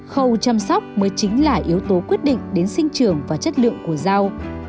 khâu chăm sóc mới chính là yếu tố quyết định đến sinh trường và chất lượng của rau